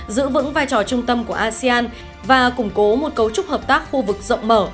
giữ vững vai trò trung tâm của asean và củng cố một cấu trúc hợp tác khu vực rộng mở